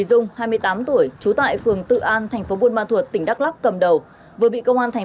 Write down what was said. dung hai mươi tám tuổi trú tại phường tự an thành phố buôn ma thuột tỉnh đắk lắc cầm đầu vừa bị công an thành